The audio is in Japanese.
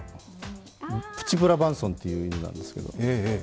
プチブラバンソンという犬なんですけど。